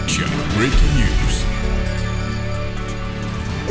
jangan lupa berlangganan